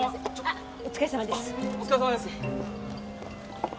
あっお疲れさまです。